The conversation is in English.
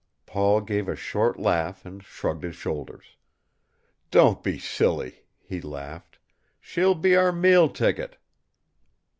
Paul gave a short laugh and shrugged his shoulders. "Don't be silly," he laughed. "She'll be our meal ticket."